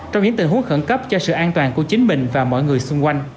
trong những tình huống khẩn cấp cho sự an toàn của chính mình và mọi người xung quanh